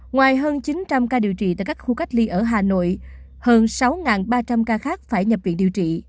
ngoài hơn chín trăm linh ca điều trị tại các khu cách ly ở hà nội hơn sáu ba trăm linh ca khác phải nhập viện điều trị